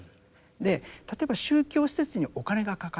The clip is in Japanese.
で例えば宗教施設にお金がかかるって。